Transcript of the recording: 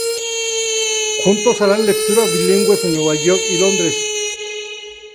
Juntos harán lecturas bilingües en Nueva York y Londres.